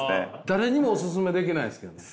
誰にもお勧めできないですけどね。